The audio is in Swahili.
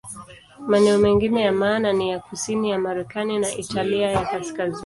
Maeneo mengine ya maana ni kusini ya Marekani na Italia ya Kaskazini.